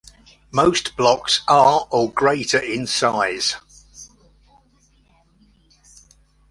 Most blocks are or greater in size.